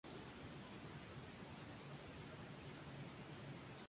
En honor al vocalista David Byron, su único hijo se llama Byron.